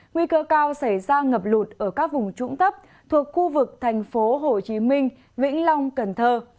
nguy cơ cao xảy ra ngập lụt ở các vùng trũng tấp thuộc khu vực thành phố hồ chí minh vĩnh long cần thơ